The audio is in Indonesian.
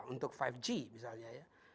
untuk lima g misalnya